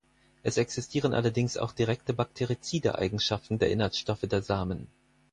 Es existieren allerdings auch direkte bakterizide Eigenschaften der Inhaltsstoffe der Samen.